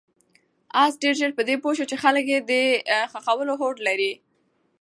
آس ډېر ژر په دې پوه شو چې خلک یې د ښخولو هوډ لري.